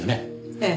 ええ。